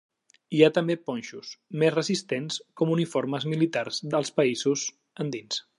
Hi ha també ponxos, més resistents, com uniformes militars dels països andins.